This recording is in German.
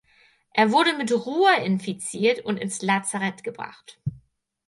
Er wurde mit Ruhr infiziert und ins Lazarett gebracht.